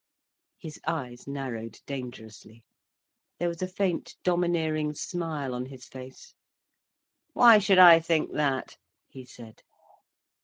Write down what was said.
His eyes narrowed dangerously. There was a faint domineering smile on his face. "Why should I think that?" he said.